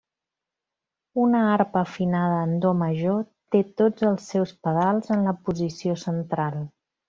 Una arpa afinada en do major té tots els seus pedals en la posició central.